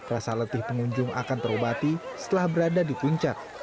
rasa letih pengunjung akan terobati setelah berada di puncak